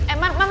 eh man man